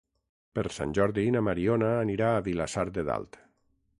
Per Sant Jordi na Mariona anirà a Vilassar de Dalt.